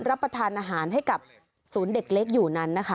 รับประทานอาหารให้กับศูนย์เด็กเล็กอยู่นั้นนะคะ